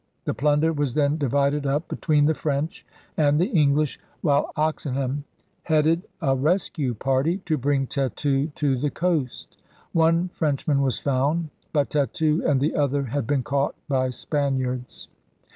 The plunder was then divided up between the French and the English, while Oxenham headed 114 ELIZABETHAN SEA DOGS a rescue party to bring Tetu to the coast. One Frencliman was found. But Tetu and the other had been caught by Spaniards.